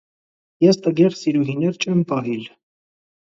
Ես տգեղ սիրուհիներ չեմ պահիլ: